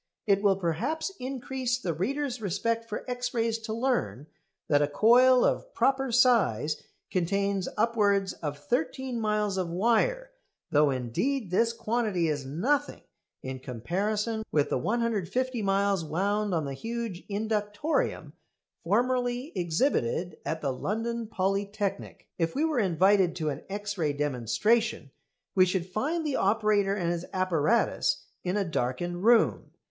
It will perhaps increase the reader's respect for X rays to learn that a coil of proper size contains upwards of thirteen miles of wire; though indeed this quantity is nothing in comparison with the 150 miles wound on the huge inductorium formerly exhibited at the London Polytechnic. If we were invited to an X ray demonstration we should find the operator and his apparatus in a darkened room.